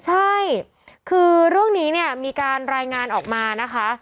ใช่คือเรื่องนี้เนี่ยมีการรายงานออกมานะคะ